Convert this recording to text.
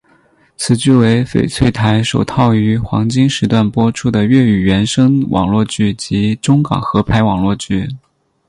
此剧为翡翠台首套于黄金时段播出的粤语原声网络剧及中港合拍网络剧。